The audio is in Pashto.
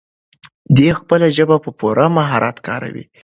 دی خپله ژبه په پوره مهارت کاروي.